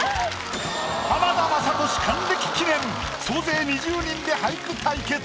浜田雅功還暦記念総勢２０人で俳句対決！